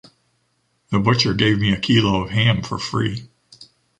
The butcher gave me a kilo of a ham for free!